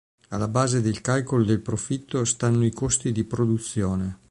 Alla base del calcolo del profitto stanno i costi di produzione.